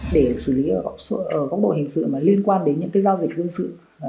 để xử lý ở góc độ hình sự mà liên quan đến những giao dịch dân sự